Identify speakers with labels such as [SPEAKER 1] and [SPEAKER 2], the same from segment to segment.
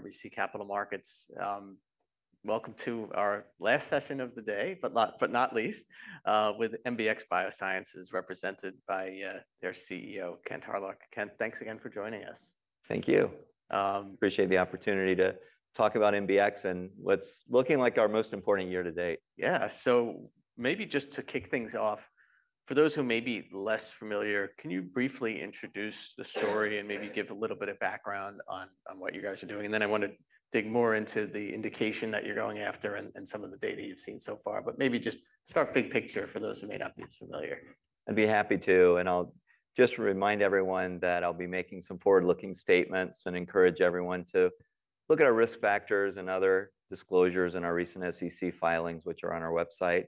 [SPEAKER 1] RBC Capital Markets. Welcome to our last session of the day, but not least, with MBX Biosciences, represented by their CEO, Kent Hawryluk. Kent, thanks again for joining us.
[SPEAKER 2] Thank you. Appreciate the opportunity to talk about MBX and what's looking like our most important year to date.
[SPEAKER 1] Yeah, so maybe just to kick things off, for those who may be less familiar, can you briefly introduce the story and maybe give a little bit of background on what you guys are doing? I want to dig more into the indication that you're going after and some of the data you've seen so far, but maybe just start big picture for those who may not be as familiar.
[SPEAKER 2] I'd be happy to, and I'll just remind everyone that I'll be making some forward-looking statements and encourage everyone to look at our risk factors and other disclosures in our recent SEC filings, which are on our website.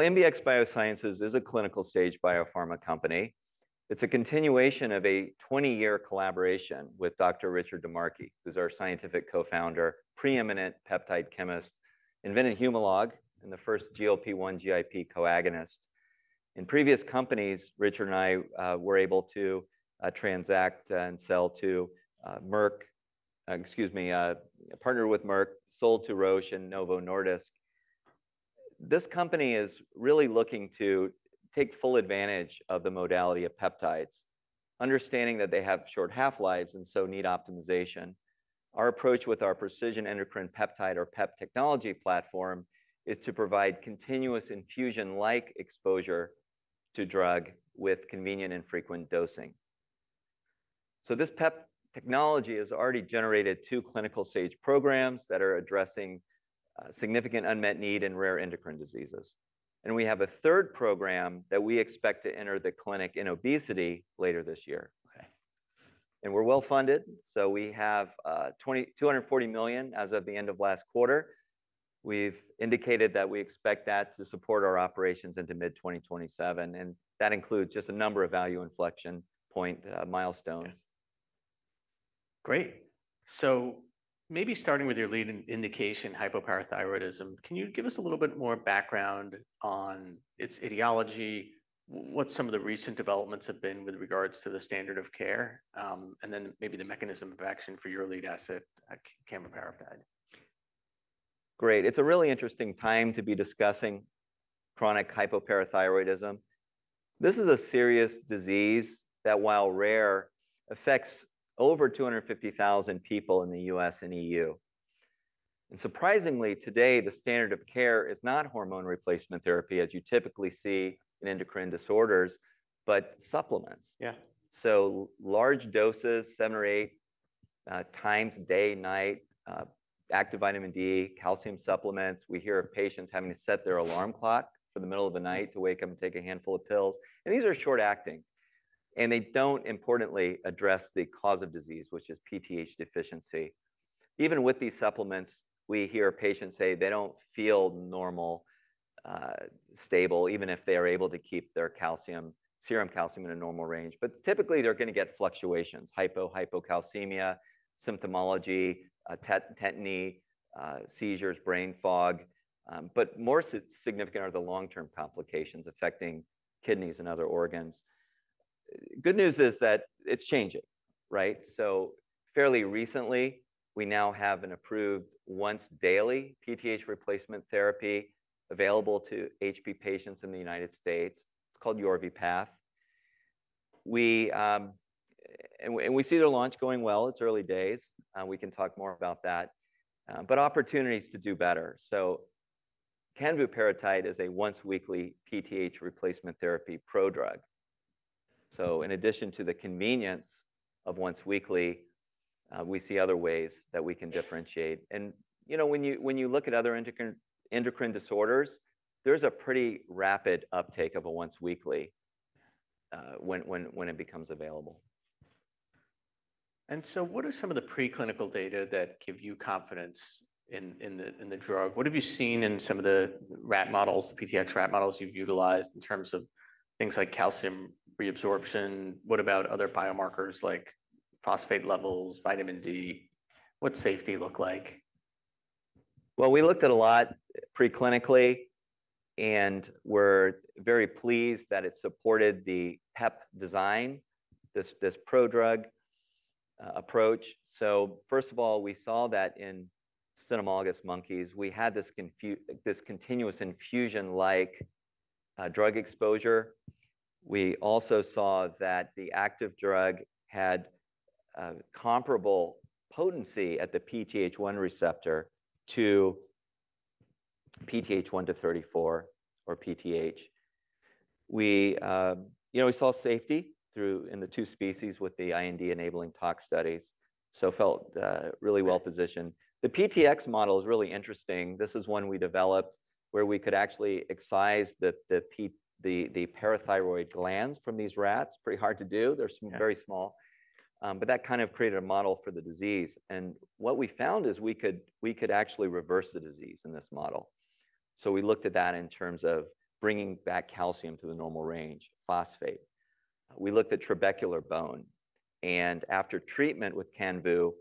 [SPEAKER 2] MBX Biosciences is a clinical stage biopharma company. It's a continuation of a 20-year collaboration with Dr. Richard DiMarchi, who's our scientific co-founder, preeminent peptide chemist, invented Humalog and the first GLP-1/GIP co-agonist. In previous companies, Richard and I were able to transact and sell to Merck, excuse me, partnered with Merck, sold to Roche and Novo Nordisk. This company is really looking to take full advantage of the modality of peptides, understanding that they have short half-lives and so need optimization. Our approach with our precision endocrine peptide or PEP technology platform is to provide continuous infusion-like exposure to drug with convenient and frequent dosing. This PEP technology has already generated two clinical stage programs that are addressing significant unmet need in rare endocrine diseases. We have a third program that we expect to enter the clinic in obesity later this year. We're well funded, so we have $240 million as of the end of last quarter. We've indicated that we expect that to support our operations into mid-2027, and that includes just a number of value inflection point milestones.
[SPEAKER 1] Great. Maybe starting with your lead indication, hypoparathyroidism, can you give us a little bit more background on its etiology, what some of the recent developments have been with regards to the standard of care, and then maybe the mechanism of action for your lead asset, canvuparatide?
[SPEAKER 2] Great. It's a really interesting time to be discussing chronic hypoparathyroidism. This is a serious disease that, while rare, affects over 250,000 people in the U.S. and EU. Surprisingly, today, the standard of care is not hormone replacement therapy, as you typically see in endocrine disorders, but supplements. Large doses, seven or eight times a day, night, active vitamin D, calcium supplements. We hear of patients having to set their alarm clock for the middle of the night to wake up and take a handful of pills. These are short-acting, and they don't importantly address the cause of disease, which is PTH deficiency. Even with these supplements, we hear patients say they don't feel normal, stable, even if they are able to keep their serum calcium in a normal range. Typically, they're going to get fluctuations, hypo-hypocalcemia, symptomology, tetany, seizures, brain fog. More significant are the long-term complications affecting kidneys and other organs. Good news is that it's changing, right? Fairly recently, we now have an approved once-daily PTH replacement therapy available to HP patients in the United States. It's called Yorvipath. We see the launch going well. It's early days. We can talk more about that. Opportunities to do better. Canvuparatide is a once-weekly PTH replacement therapy prodrug. In addition to the convenience of once-weekly, we see other ways that we can differentiate. When you look at other endocrine disorders, there's a pretty rapid uptake of a once-weekly when it becomes available.
[SPEAKER 1] What are some of the preclinical data that give you confidence in the drug? What have you seen in some of the rat models, the PTX rat models you've utilized in terms of things like calcium reabsorption? What about other biomarkers like phosphate levels, vitamin D? What's safety look like?
[SPEAKER 2] We looked at a lot preclinically, and we're very pleased that it supported the PEP design, this prodrug approach. First of all, we saw that in cynomolgus monkeys, we had this continuous infusion-like drug exposure. We also saw that the active drug had comparable potency at the PTH1 receptor to PTH1 to 34 or PTH. We saw safety in the two species with the IND enabling tox studies. Felt really well positioned. The PTX model is really interesting. This is one we developed where we could actually excise the parathyroid glands from these rats. Pretty hard to do. They're very small. That kind of created a model for the disease. What we found is we could actually reverse the disease in this model. We looked at that in terms of bringing back calcium to the normal range, phosphate. We looked at trabecular bone. After treatment with Canvu,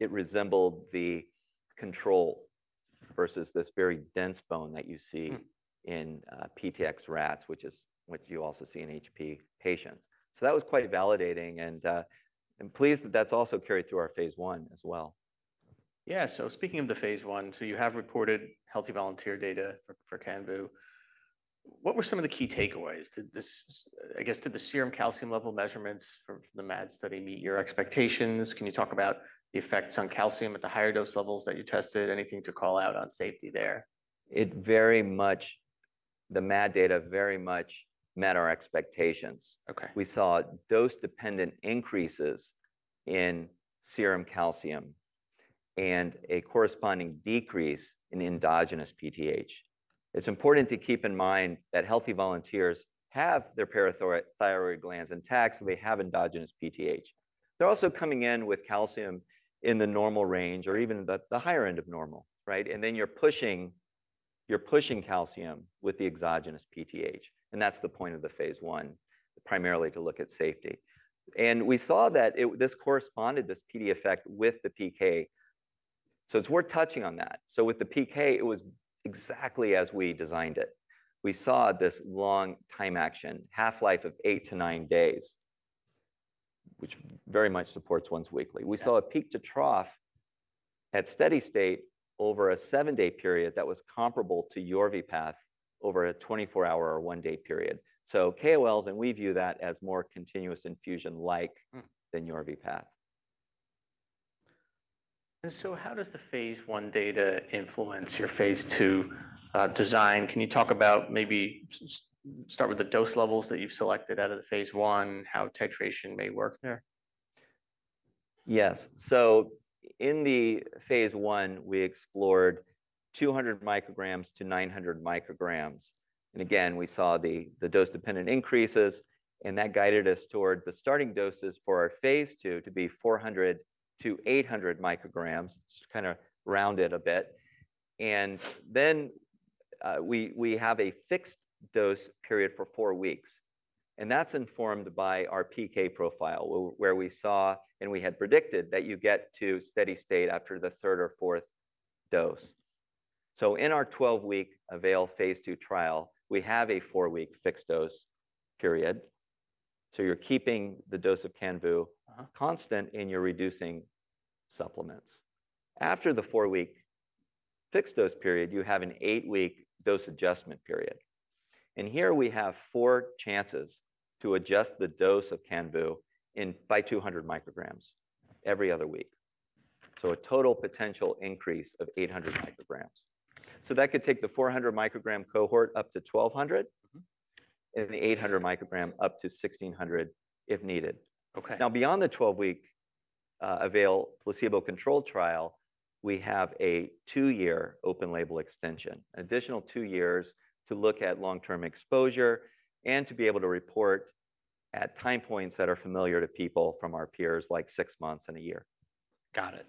[SPEAKER 2] it resembled the control versus this very dense bone that you see in PTX rats, which you also see in HP patients. That was quite validating. I'm pleased that that's also carried through our phase I as well.
[SPEAKER 1] Yeah. Speaking of the phase I, you have reported healthy volunteer data for Canvu. What were some of the key takeaways to this? I guess, did the serum calcium level measurements from the MAD study meet your expectations? Can you talk about the effects on calcium at the higher dose levels that you tested? Anything to call out on safety there?
[SPEAKER 2] It very much, the MAD data very much met our expectations. We saw dose-dependent increases in serum calcium and a corresponding decrease in endogenous PTH. It's important to keep in mind that healthy volunteers have their parathyroid glands intact, so they have endogenous PTH. They're also coming in with calcium in the normal range or even the higher end of normal, right? You're pushing calcium with the exogenous PTH. That's the point of the phase I, primarily to look at safety. We saw that this corresponded, this PD effect with the PK. It's worth touching on that. With the PK, it was exactly as we designed it. We saw this long time action, half-life of eight to nine days, which very much supports once-weekly. We saw a peak to trough at steady state over a seven-day period that was comparable to Yorvipath over a 24-hour or one-day period. KOLs and we view that as more continuous infusion-like than Yorvipath.
[SPEAKER 1] How does the phase I data influence your phase II design? Can you talk about maybe start with the dose levels that you've selected out of the phase I, how titration may work there?
[SPEAKER 2] Yes. In the phase I, we explored 200 µg to 900 µg. Again, we saw the dose-dependent increases, and that guided us toward the starting doses for our phase II to be 400 µg-800 µg, just kind of round it a bit. We have a fixed dose period for four weeks. That is informed by our PK profile, where we saw and we had predicted that you get to steady state after the third or fourth dose. In our 12-week AVAIL phase II trial, we have a four-week fixed dose period. You are keeping the dose of Canvu constant and you are reducing supplements. After the four-week fixed dose period, you have an eight-week dose adjustment period. Here we have four chances to adjust the dose of Canvu by 200 µg every other week. A total potential increase of 800 µg. That could take the 400 µg cohort up to 1,200 and the 800 µg up to 1,600 if needed. Now, beyond the 12-week AVAIL placebo-controlled trial, we have a two-year open label extension, an additional two years to look at long-term exposure and to be able to report at time points that are familiar to people from our peers, like six months and a year.
[SPEAKER 1] Got it.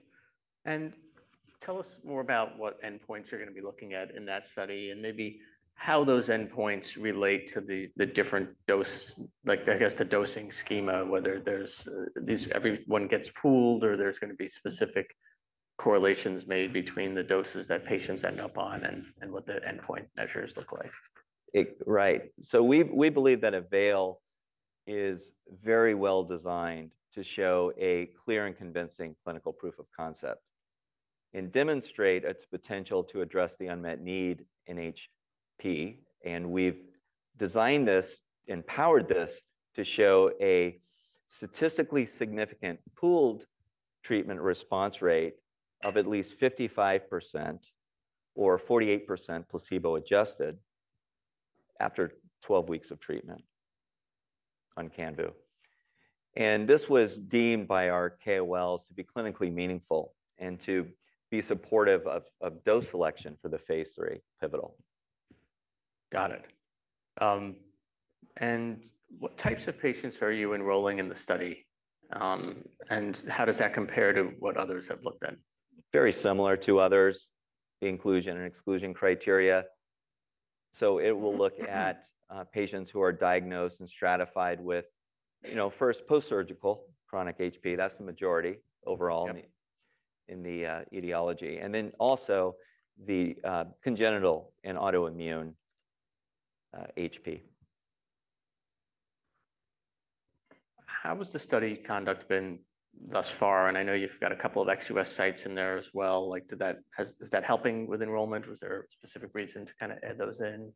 [SPEAKER 1] Tell us more about what endpoints you're going to be looking at in that study and maybe how those endpoints relate to the different dose, like I guess the dosing schema, whether everyone gets pooled or there's going to be specific correlations made between the doses that patients end up on and what the endpoint measures look like.
[SPEAKER 2] Right. We believe that AVAIL is very well designed to show a clear and convincing clinical proof of concept and demonstrate its potential to address the unmet need in HP. We have designed this and powered this to show a statistically significant pooled treatment response rate of at least 55% or 48% placebo-adjusted after 12 weeks of treatment on Canvu. This was deemed by our KOLs to be clinically meaningful and to be supportive of dose selection for the phase III pivotal.
[SPEAKER 1] Got it. What types of patients are you enrolling in the study? How does that compare to what others have looked at?
[SPEAKER 2] Very similar to others, the inclusion and exclusion criteria. It will look at patients who are diagnosed and stratified with first post-surgical chronic HP. That's the majority overall in the etiology. Also the congenital and autoimmune HP.
[SPEAKER 1] How has the study conduct been thus far? I know you've got a couple of ex-U.S. sites in there as well. Is that helping with enrollment? Was there a specific reason to kind of add those in,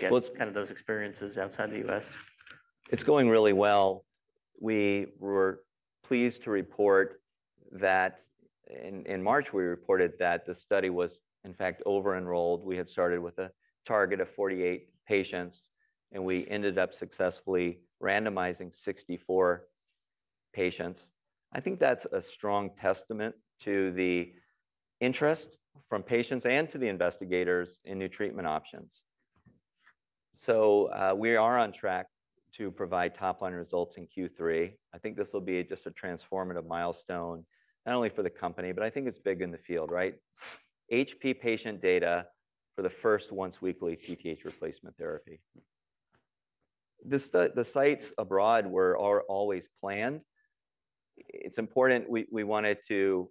[SPEAKER 1] get kind of those experiences outside the U.S.?
[SPEAKER 2] It's going really well. We were pleased to report that in March, we reported that the study was, in fact, over-enrolled. We had started with a target of 48 patients, and we ended up successfully randomizing 64 patients. I think that's a strong testament to the interest from patients and to the investigators in new treatment options. We are on track to provide top-line results in Q3. I think this will be just a transformative milestone, not only for the company, but I think it's big in the field, right? HP patient data for the first once-weekly PTH replacement therapy. The sites abroad were always planned. It's important. We wanted to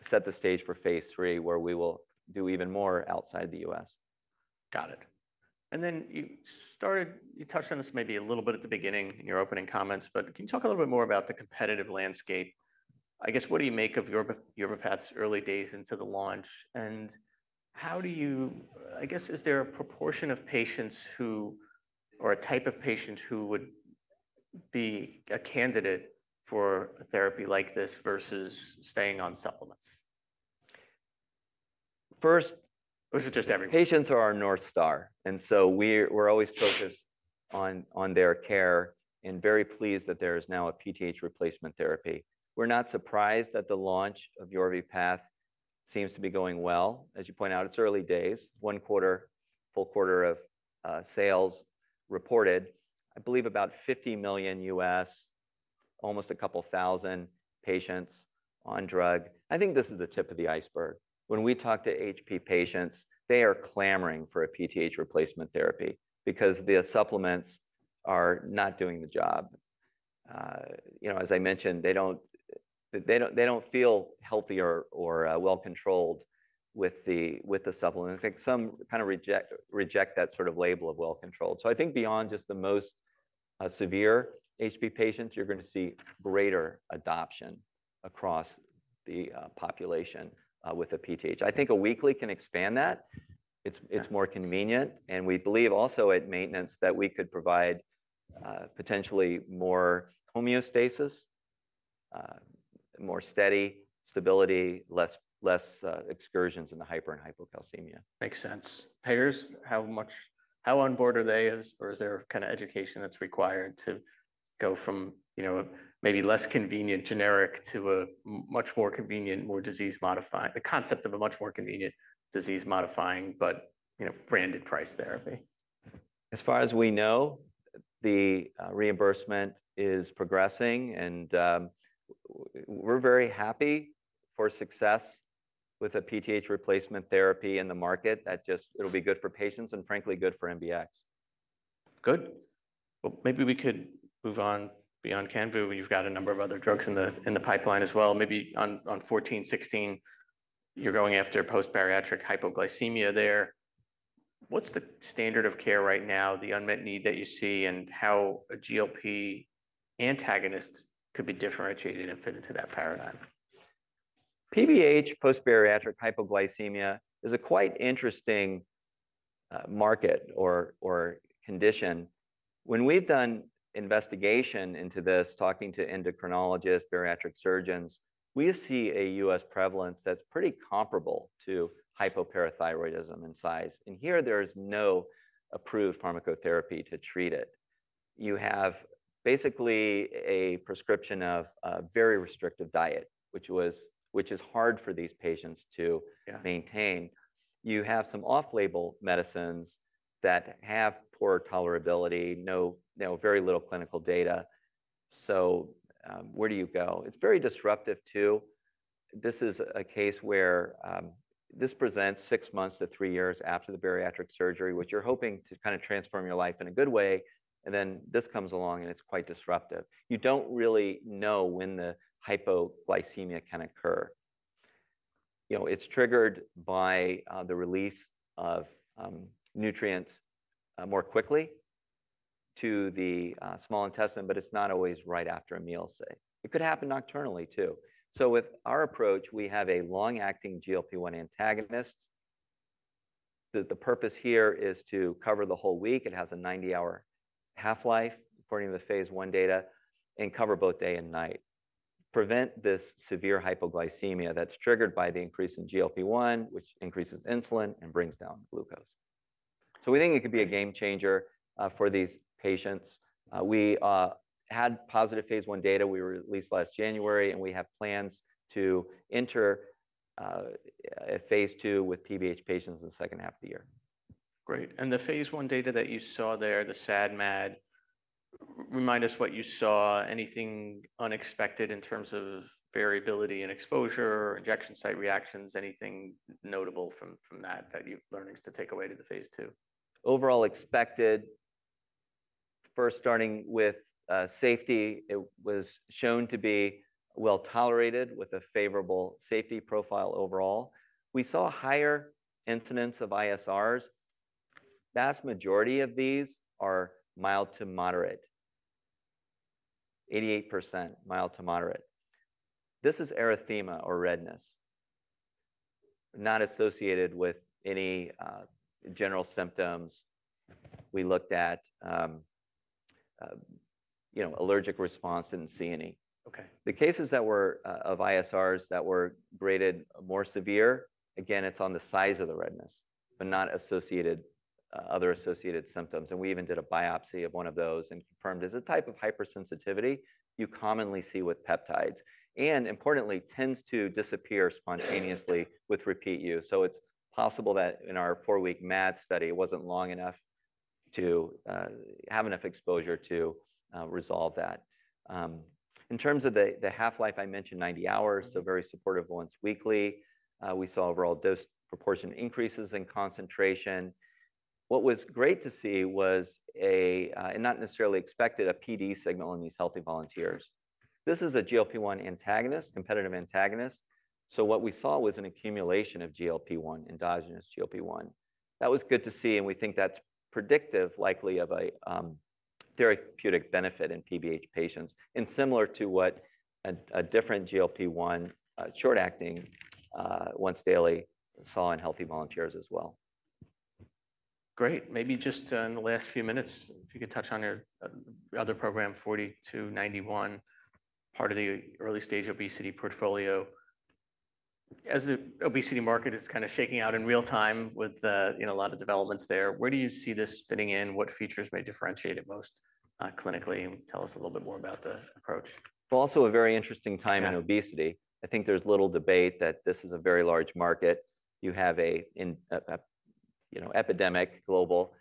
[SPEAKER 2] set the stage for phase III, where we will do even more outside the US.
[SPEAKER 1] Got it. You touched on this maybe a little bit at the beginning in your opening comments, but can you talk a little bit more about the competitive landscape? I guess, what do you make of Yorvipath's early days into the launch? How do you, I guess, is there a proportion of patients who or a type of patient who would be a candidate for a therapy like this versus staying on supplements?
[SPEAKER 2] First, this is just every patient's our North Star. And so we're always focused on their care and very pleased that there is now a PTH replacement therapy. We're not surprised that the launch of Yorvipath seems to be going well. As you point out, it's early days. One quarter, full quarter of sales reported, I believe, about $50 million, almost a couple thousand patients on drug. I think this is the tip of the iceberg. When we talk to HP patients, they are clamoring for a PTH replacement therapy because the supplements are not doing the job. As I mentioned, they don't feel healthier or well-controlled with the supplements. I think some kind of reject that sort of label of well-controlled. So I think beyond just the most severe HP patients, you're going to see greater adoption across the population with a PTH. I think a weekly can expand that. It's more convenient. We believe also at maintenance that we could provide potentially more homeostasis, more steady stability, less excursions in the hyper and hypocalcemia.
[SPEAKER 1] Makes sense. Payers, how much on board are they, or is there kind of education that's required to go from maybe less convenient generic to a much more convenient, more disease modifying, the concept of a much more convenient disease modifying, but branded price therapy?
[SPEAKER 2] As far as we know, the reimbursement is progressing. We're very happy for success with a PTH replacement therapy in the market. That just, it'll be good for patients and frankly, good for MBX.
[SPEAKER 1] Good. Maybe we could move on beyond Canvu. You've got a number of other drugs in the pipeline as well. Maybe on 1416, you're going after post-bariatric hypoglycemia there. What's the standard of care right now, the unmet need that you see, and how a GLP-1 antagonist could be differentiated and fit into that paradigm?
[SPEAKER 2] PBH, post-bariatric hypoglycemia, is a quite interesting market or condition. When we've done investigation into this, talking to endocrinologists, bariatric surgeons, we see a US prevalence that's pretty comparable to hypoparathyroidism in size. Here, there is no approved pharmacotherapy to treat it. You have basically a prescription of a very restrictive diet, which is hard for these patients to maintain. You have some off-label medicines that have poor tolerability, very little clinical data. Where do you go? It's very disruptive too. This is a case where this presents six months to three years after the bariatric surgery, which you're hoping to kind of transform your life in a good way. This comes along and it's quite disruptive. You don't really know when the hypoglycemia can occur. It's triggered by the release of nutrients more quickly to the small intestine, but it's not always right after a meal, say. It could happen nocturnally too. With our approach, we have a long-acting GLP-1 antagonist. The purpose here is to cover the whole week. It has a 90-hour half-life according to the phase I data and cover both day and night, prevent this severe hypoglycemia that's triggered by the increase in GLP-1, which increases insulin and brings down glucose. We think it could be a game changer for these patients. We had positive phase I data. We were released last January, and we have plans to enter phase II with PBH patients in the second half of the year.
[SPEAKER 1] Great. The phase I data that you saw there, the SAD/MAD, remind us what you saw. Anything unexpected in terms of variability and exposure, injection site reactions, anything notable from that that you've learned to take away to the phase II?
[SPEAKER 2] Overall expected, first starting with safety, it was shown to be well tolerated with a favorable safety profile overall. We saw higher incidence of ISRs. Vast majority of these are mild to moderate, 88% mild to moderate. This is erythema or redness, not associated with any general symptoms. We looked at allergic response and didn't see any. The cases that were of ISRs that were graded more severe, again, it's on the size of the redness, but not other associated symptoms. We even did a biopsy of one of those and confirmed it's a type of hypersensitivity you commonly see with peptides. Importantly, it tends to disappear spontaneously with repeat use. It's possible that in our four-week MAD study, it wasn't long enough to have enough exposure to resolve that. In terms of the half-life, I mentioned 90 hours, so very supportive once weekly. We saw overall dose proportion increases in concentration. What was great to see was a, and not necessarily expected, a PD signal in these healthy volunteers. This is a GLP-1 antagonist, competitive antagonist. What we saw was an accumulation of GLP-1, endogenous GLP-1. That was good to see. We think that's predictive, likely of a therapeutic benefit in PBH patients, and similar to what a different GLP-1 short-acting once daily saw in healthy volunteers as well.
[SPEAKER 1] Great. Maybe just in the last few minutes, if you could touch on your other program, 4291, part of the early stage obesity portfolio. As the obesity market is kind of shaking out in real time with a lot of developments there, where do you see this fitting in? What features may differentiate it most clinically? Tell us a little bit more about the approach.
[SPEAKER 2] Also a very interesting time in obesity. I think there's little debate that this is a very large market. You have an epidemic global.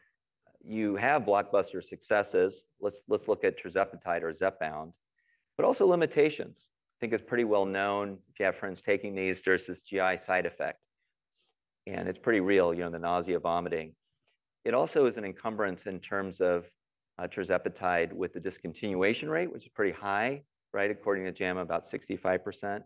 [SPEAKER 2] You have blockbuster successes. Let's look at tirzepatide or Zepbound, but also limitations. I think it's pretty well known if you have friends taking these versus GI side effect. And it's pretty real, the nausea, vomiting. It also is an encumbrance in terms of tirzepatide with the discontinuation rate, which is pretty high, right? According to JAMA, about 65%.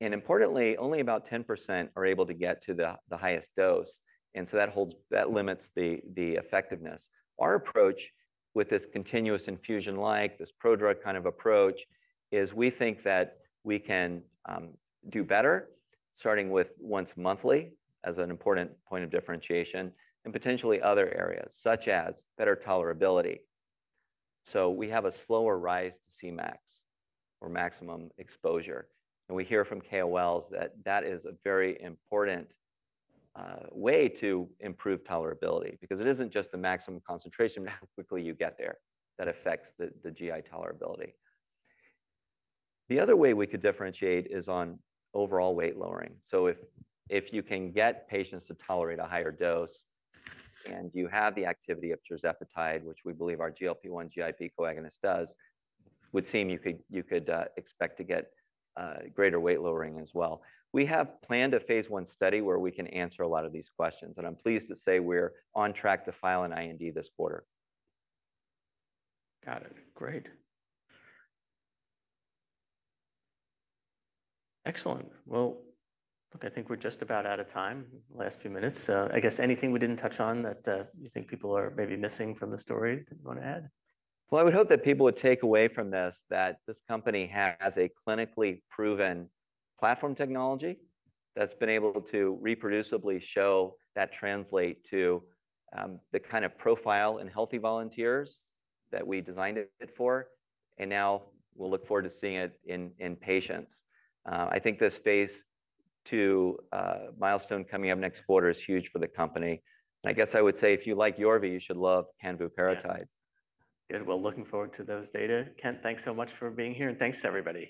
[SPEAKER 2] And importantly, only about 10% are able to get to the highest dose. And so that limits the effectiveness. Our approach with this continuous infusion-like, this pro-drug kind of approach is we think that we can do better starting with once monthly as an important point of differentiation and potentially other areas such as better tolerability. We have a slower rise to Cmax or maximum exposure. We hear from KOLs that that is a very important way to improve tolerability because it is not just the maximum concentration, how quickly you get there, that affects the GI tolerability. The other way we could differentiate is on overall weight lowering. If you can get patients to tolerate a higher dose and you have the activity of tirzepatide, which we believe our GLP-1, GIP co-agonist does, it would seem you could expect to get greater weight lowering as well. We have planned a phase I study where we can answer a lot of these questions. I am pleased to say we are on track to file an IND this quarter.
[SPEAKER 1] Got it. Great. Excellent. Look, I think we're just about out of time, last few minutes. I guess anything we didn't touch on that you think people are maybe missing from the story that you want to add?
[SPEAKER 2] I would hope that people would take away from this that this company has a clinically proven platform technology that's been able to reproducibly show that translate to the kind of profile in healthy volunteers that we designed it for. Now we'll look forward to seeing it in patients. I think this phase II milestone coming up next quarter is huge for the company. I guess I would say if you like Yorvipath, you should love canvuparatide.
[SPEAKER 1] Yeah. Looking forward to those data. Kent, thanks so much for being here. And thanks to everybody.